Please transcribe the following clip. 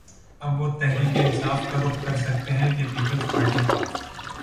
اب وہ تحریک انصاف کا رخ کر سکتے ہیں کہ پیپلز پارٹی کا